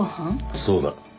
そうだ。